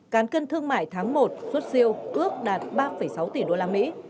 cán cân thương mại tháng một suốt siêu ước đạt ba sáu tỷ usd